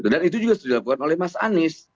dan itu juga sudah dilakukan oleh mas anies